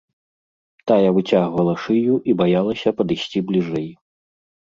Тая выцягвала шыю і баялася падысці бліжэй.